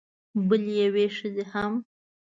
بلې یوې ښځې هم